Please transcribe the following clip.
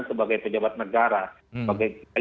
sebagai pejabat negara sebagai